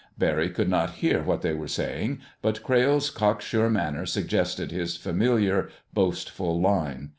Barry could not hear what they were saying, but Crayle's cocksure manner suggested his familiar, boastful line.